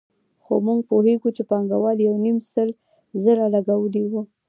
خو موږ پوهېږو چې پانګوال یو نیم سل زره لګولي وو